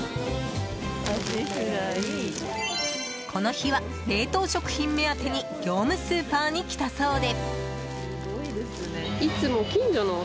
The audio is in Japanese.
この日は冷凍食品目当てに業務スーパーに来たそうで。